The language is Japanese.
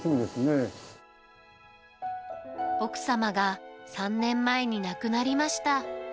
奥様が３年前に亡くなりました。